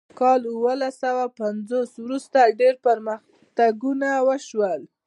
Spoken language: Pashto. له کال اوولس سوه پنځوس وروسته ډیر پرمختګونه وشول.